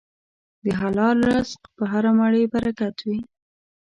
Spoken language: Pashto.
د حلال رزق په هره مړۍ برکت وي.